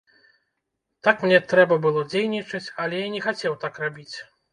Так мне трэба было дзейнічаць, але я не хацеў так рабіць.